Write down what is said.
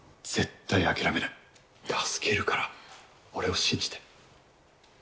絶対諦めない、助けるから、俺を信じて。